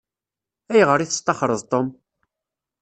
Ayɣer i testaxṛeḍ Tom?